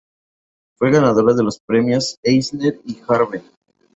Fue ganadora de los premios Eisner y Harvey.